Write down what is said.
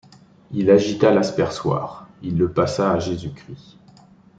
Il agita l’aspersoir, il le passa à Jésus-Christ.